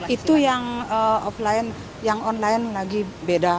itu yang offline yang online lagi beda